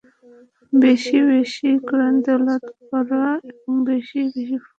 বেশি বেশি কোরআন তিলাওয়াত করা এবং বেশি বেশি নফল নামাজ পড়া।